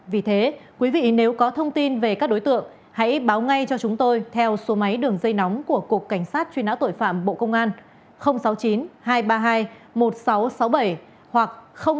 vì thế quý vị nếu có thông tin về các đối tượng hãy báo ngay cho chúng tôi theo số máy đường dây nóng của cục cảnh sát truy nã tội phạm bộ công an sáu mươi chín hai trăm ba mươi hai một nghìn sáu trăm sáu mươi bảy hoặc chín trăm bốn mươi sáu ba trăm linh